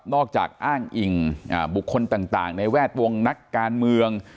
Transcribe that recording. จากอ้างอิงบุคคลต่างในแวดวงนักการเมือง